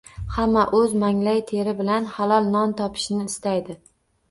Hamma oʻz manglay teri bilan halol non topishini istaysan